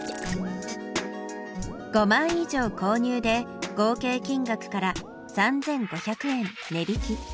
５枚以上購入で合計金額から３５００円値引き。